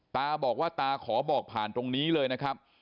ตาบอกว่าตาขอบอกผ่านตรงนี้เลยนะครับ